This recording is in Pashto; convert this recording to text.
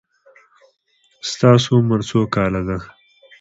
ستاسو عمر څو کاله دی؟